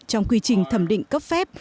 trong quy trình thẩm định cấp phép